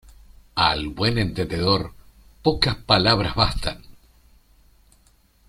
Al buen entendedor, pocas palabras bastan.